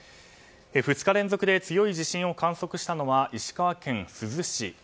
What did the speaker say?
２日連続で強い地震を観測したのは石川県珠洲市。